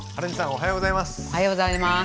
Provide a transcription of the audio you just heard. おはようございます。